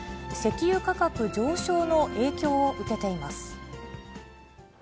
石油価格上昇の影響を受けています。